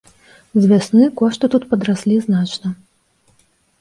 З вясны кошты тут падраслі значна.